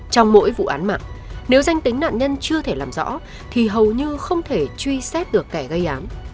trong mỗi vụ án mạng nếu danh tính nạn nhân chưa thể làm rõ thì hầu như không thể truy xét được kẻ gây án